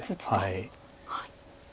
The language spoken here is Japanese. はい。